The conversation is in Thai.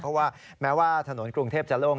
เพราะว่าแม้ว่าถนนกรุงเทพจะโล่ง